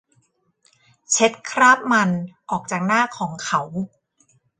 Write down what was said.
เช็ดคราบมันออกจากหน้าของเขา